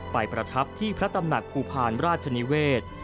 ประทับที่พระตำหนักภูพาลราชนิเวศ